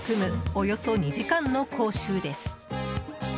およそ２時間の講習です。